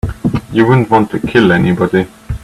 You wouldn't want to kill anybody.